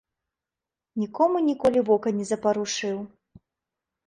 Нікому ніколі вока не запарушыў.